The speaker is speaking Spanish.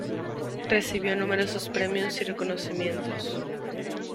Recibió numerosos premios y reconocimientos.